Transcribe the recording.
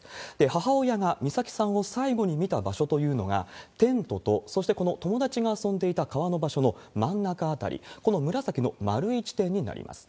母親が美咲さんを最後に見た場所というのが、テントとそしてこの友達が遊んでいた川の場所の真ん中辺り、この紫の円い地点になります。